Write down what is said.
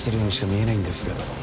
見えないんですけど